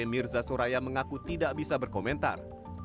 mirza soraya mengaku tidak bisa berkomentar